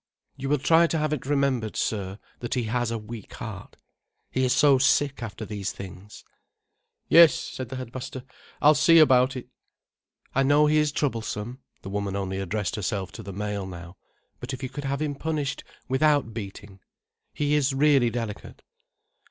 "You will try to have it remembered, sir, that he has a weak heart. He is so sick after these things." "Yes," said the headmaster, "I'll see about it." "I know he is troublesome," the woman only addressed herself to the male now—"but if you could have him punished without beating—he is really delicate."